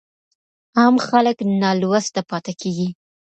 عام خلګ نالوسته پاته کيږي.